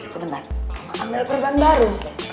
sebentar ambil perban baru